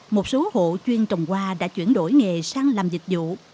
một số hộ chuyên trồng hoa đã chuyển đổi nghề sang làm dịch vụ